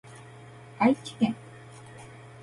愛知県